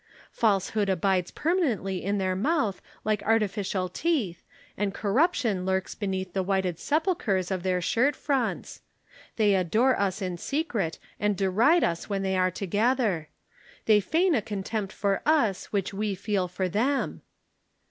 Falsehood abides permanently in their mouth like artificial teeth and corruption lurks beneath the whited sepulchres of their shirt fronts. They adore us in secret and deride us when they are together. They feign a contempt for us which we feel for them."